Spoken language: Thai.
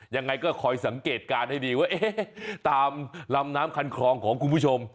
ยังไงก็คอยสังเกตการณ์ให้ดีว่าเอ๊ะตามลำน้ำคันคลองของคุณผู้ชม